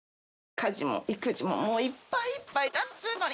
家事も育児ももういっぱいいっぱいだっつうのに！